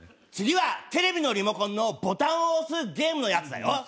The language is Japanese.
次はテレビのリモコンのボタンを押すゲームのやつだよ。